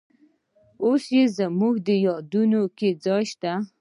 اوس یې زموږ یادونو کې ځای شته.